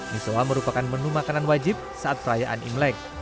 misoa merupakan menu makanan wajib saat perayaan imlek